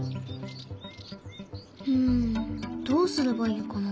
うんどうすればいいかな。